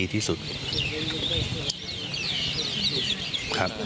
อีกสักครู่เดี๋ยวจะ